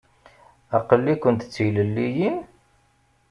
Aql-ikent d tilelliyin?